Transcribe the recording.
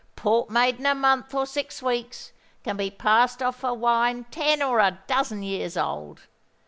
Port made in a month or six weeks can be passed off for wine ten or a dozen years old.